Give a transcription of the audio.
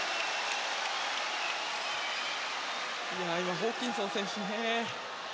ホーキンソン選手